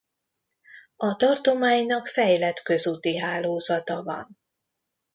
A tartománynak fejlett közúti hálózata van.